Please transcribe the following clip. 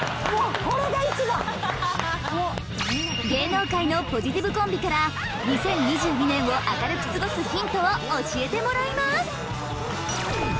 芸能界のポジティブコンビから２０２２年を明るく過ごすヒントを教えてもらいます！